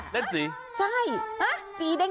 นั่นสีใช่สีแดง